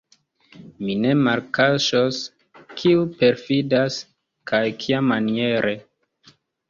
Mi ne malkaŝos, kiu perfidas, kaj kiamaniere.